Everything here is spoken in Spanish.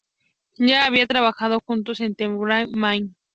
Ya habían trabajado juntos en "The Railway Man".